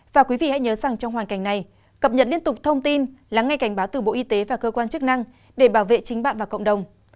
và quý vị hãy nhớ rằng trong hoàn cảnh này cập nhật liên tục thông tin lắng nghe cảnh báo từ bộ y tế và cơ quan chức năng để bảo vệ chính bạn và cộng đồng